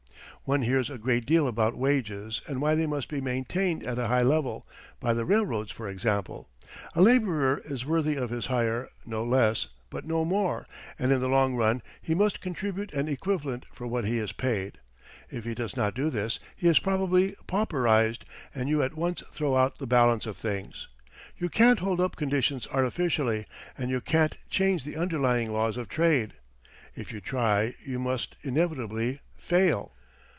One hears a great deal about wages and why they must be maintained at a high level, by the railroads, for example. A labourer is worthy of his hire, no less, but no more, and in the long run he must contribute an equivalent for what he is paid. If he does not do this, he is probably pauperized, and you at once throw out the balance of things. You can't hold up conditions artificially, and you can't change the underlying laws of trade. If you try, you must inevitably fail.